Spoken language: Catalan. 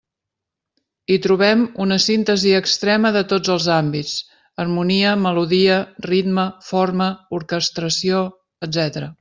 Hi trobem una síntesi extrema de tots els àmbits: harmonia, melodia, ritme, forma, orquestració, etc.